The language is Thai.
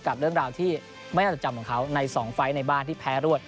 กับเรื่องราวที่ไม่น่าจดจำของเขาใน๒ไฟล์ในบ้านที่แพ้รวด